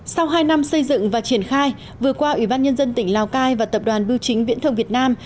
sau hai năm xây dựng và triển khai vừa qua ủy ban nhân dân tỉnh lào cai và tập đoàn bưu chính viễn thông việt nam